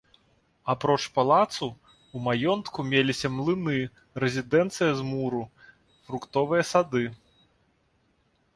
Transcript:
Апроч палацу, у маёнтку меліся млыны, рэзідэнцыя з муру, фруктовыя сады.